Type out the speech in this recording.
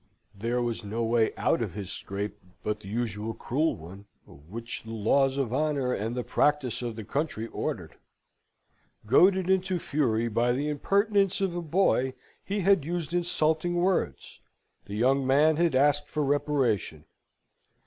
There was no way out of his scrape, but the usual cruel one, which the laws of honour and the practice of the country ordered. Goaded into fury by the impertinence of a boy, he had used insulting words. The young man had asked for reparation.